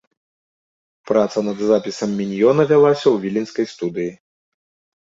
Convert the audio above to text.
Праца над запісам міньёна вялася ў віленскай студыі.